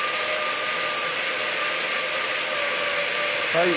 はい！